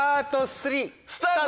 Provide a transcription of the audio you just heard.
スタート？